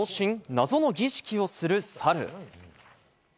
謎の儀式をするサル。